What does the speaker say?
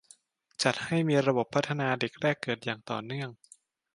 จัดให้มีระบบพัฒนาเด็กแรกเกิดอย่างต่อเนื่อง